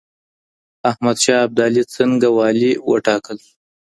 احمد شاه ابدالي څنګه والي و ټاکل سو؟